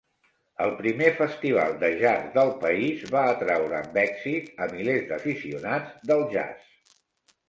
El primer festival de jazz del país va atraure amb èxit a milers d'aficionats del jazz.